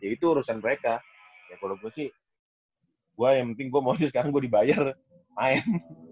itu urusan mereka gue yang penting mau dibayar main